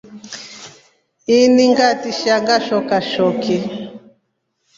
Ini ngatisha Ngashoka shoki.